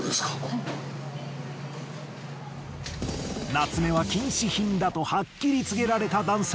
ナツメは禁止品だとはっきり告げられた男性。